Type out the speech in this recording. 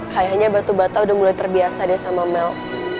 kayaknya batu bata udah mulai terbiasa deh sama mel